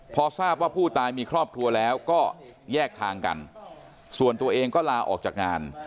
พอทราบว่าผู้ตายมีครอบครัวแล้วก็แยกทางกันส่วนตัวเองก็ลาออกจากงาน